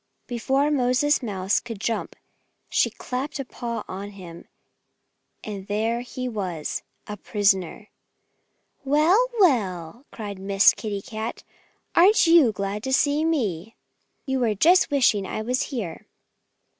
Before Moses Mouse could jump she clapped a paw down on him. And there he was a prisoner! "Well, well!" cried Miss Kitty Cat. "Aren't you glad to see me? You were just wishing I was here."